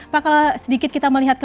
pak kalah sedikit kita melihatkan ini